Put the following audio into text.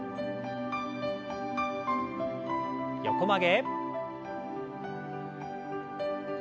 横曲げ。